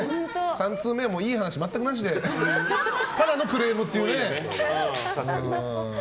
３通目もいい話全くなしでただのクレームっていうね。